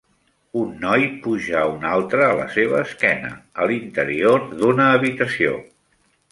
Un noi puja a un altre a la seva esquena, a l"interior d"una habitació.